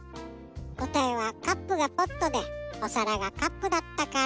こたえはカップがポットでおさらがカップだったから。